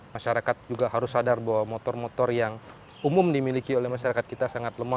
masyarakat juga harus sadar bahwa motor motor yang umum dimiliki oleh masyarakat kita sangat lemah